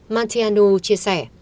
mantiano chia sẻ